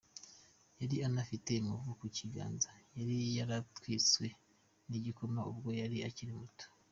Yari anafite inkovu ku kiganza yari yaratwitswe n’ igikoma ubwo yari akiri muto.